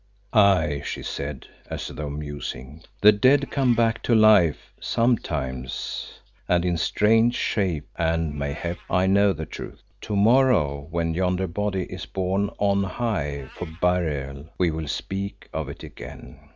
"Aye," she said, as though musing, "the dead come back to life sometimes and in strange shape, and, mayhap, I know the truth. To morrow when yonder body is borne on high for burial we will speak of it again.